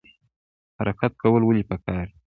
حرکت کول ولې پکار دي؟